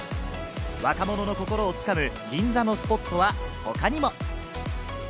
若者の心をつかむ銀座のスポットは他にも。